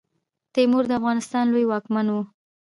تیمور د افغانستان لوی واکمن وو.